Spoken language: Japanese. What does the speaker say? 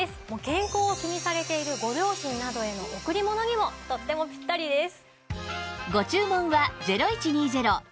健康を気にされているご両親などへの贈り物にもとってもピッタリです。